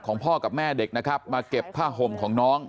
พ่อกับแม่เด็กนะครับมาเก็บผ้าห่มของน้อง